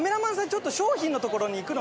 ちょっと商品のところに行くので。